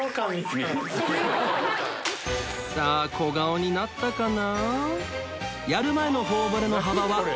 さぁ小顔になったかな？